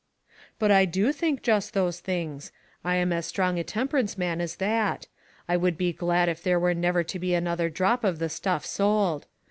" But I do think just those things. I am as strong a temperance man as that. I would be glad if there were never to be another drop of the stuff sold.